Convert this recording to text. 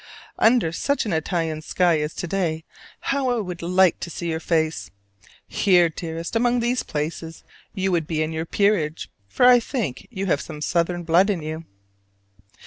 Under such an Italian sky as to day how I would like to see your face! Here, dearest, among these palaces you would be in your peerage, for I think you have some southern blood in you.